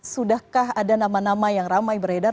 sudahkah ada nama nama yang ramai beredar